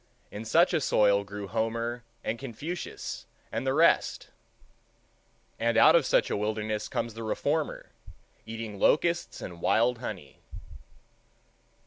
In such a soil grew Homer and Confucius and the rest, and out of such a wilderness comes the reformer eating locusts and wild honey.